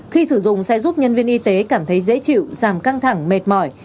khi sử dụng sẽ giúp nhân viên y tế cảm thấy dễ chịu giảm căng thẳng mệt mỏi